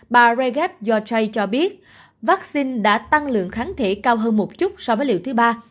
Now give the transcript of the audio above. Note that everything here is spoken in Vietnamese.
bà jaref yotray cho biết vaccine đã tăng lượng kháng thể cao hơn một chút so với liệu thứ ba